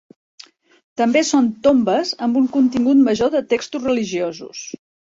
També són tombes amb un contingut major de textos religiosos.